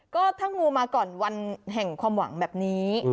ก็ถ้างูมาก่อนวันแห่งความหวังแบบนี้